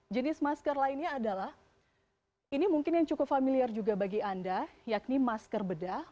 jenis masker lainnya adalah ini mungkin yang cukup familiar juga bagi anda yakni masker bedah